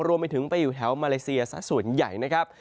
รวมไปถึงไปอยู่แถวมาเลเซียสักส่วนใหญ่นะครับ